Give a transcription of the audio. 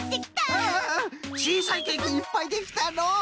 ちいさいケーキいっぱいできたのう！